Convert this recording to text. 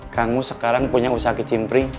kangu sekarang punya usaha kecimpri